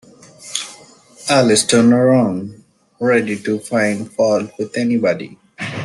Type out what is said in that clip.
Alice turned round, ready to find fault with anybody.